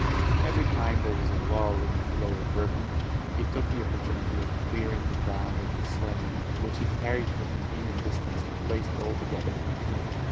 Every time there was a lull in the flow of vermin, he took the opportunity of clearing the ground of the slain, which he carried to a convenient distance and placed all together in a heap.